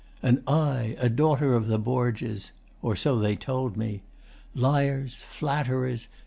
And I a daughter of the Borgias! Or so they told me. Liars! Flatterers!